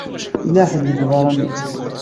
Yella ḥedd deg beṛṛa-nni.